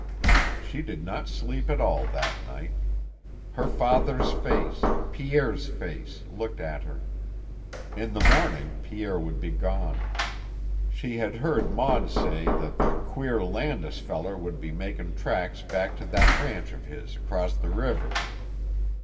She did not sleep at all that night. Her father's face, Pierre's face, looked at her. In the morning Pierre would be gone. She had heard Maud say that the "queer Landis feller would be makin' tracks back to that ranch of his acrost the river."